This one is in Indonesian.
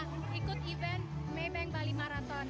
dan ikut event mebeng bali marathon